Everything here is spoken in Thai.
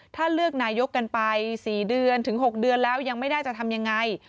ถ้าเลือกนายกกันไป๔เดือนถึง๖เดือนแล้วยังไม่ได้จะทำยังไง